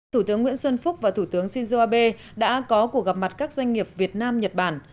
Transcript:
thủ tướng nguyễn xuân phúc và thủ tướng shinzo abe đã có cuộc gặp mặt các doanh nghiệp việt nam nhật bản